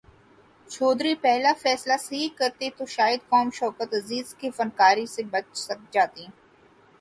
چودھری پہلا فیصلہ صحیح کرتے تو شاید قوم شوکت عزیز کی فنکاری سے بچ جاتی۔